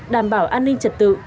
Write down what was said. đảm bảo an ninh trật tự